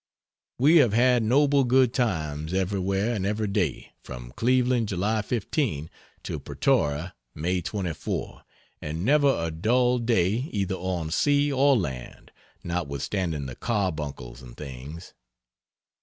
We have had noble good times everywhere and every day, from Cleveland, July 15, to Pretoria, May 24, and never a dull day either on sea or land, notwithstanding the carbuncles and things.